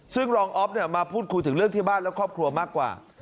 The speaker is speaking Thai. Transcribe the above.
ซึ่งรองอ๊อฟมาพูดคุยถึงเรื่องที่บ้านและครอบครัวมากกว่า